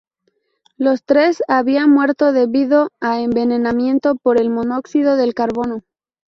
Los tres había muerto debido a envenenamiento por el monóxido del carbono.